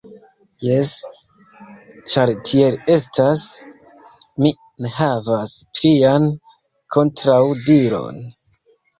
Jes, ĉar tiel estas, mi ne havas plian kontraŭdiron.